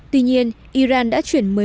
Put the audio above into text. tuy nhiên iran đã chuyển một mươi một